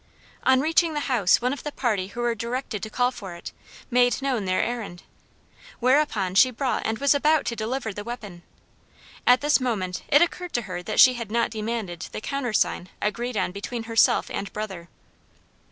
On reaching the house one of the party who were directed to call for it, made known their errand. Whereupon she brought and was about to deliver the weapon. At this moment it occurred to her that she had not demanded the countersign agreed on between herself and brother.